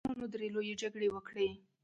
افغانانو درې لويې جګړې وکړې.